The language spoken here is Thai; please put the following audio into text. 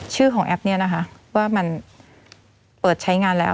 ชื่อของแอปเนี่ยนะคะว่ามันเปิดใช้งานแล้ว